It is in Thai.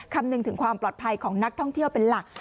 คำนึงถึงความปลอดภัยของนักท่องเที่ยวเป็นหลัก